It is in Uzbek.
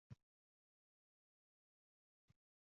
Uchinchi qavatda kim turadi?